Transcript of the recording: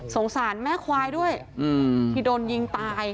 สารแม่ควายด้วยที่โดนยิงตาย